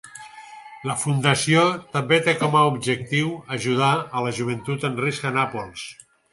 La Fundació també té com a objectiu ajudar a la joventut en risc a Nàpols.